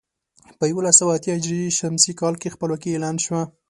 په یولس سوه اتيا ه ش کال کې خپلواکي اعلان شوه.